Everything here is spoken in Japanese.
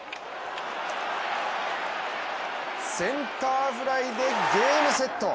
センターフライでゲームセット。